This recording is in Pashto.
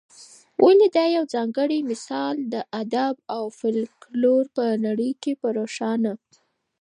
ولي دا یوځانګړی مثال د ادب او فلکلور په نړۍ کي په روښانه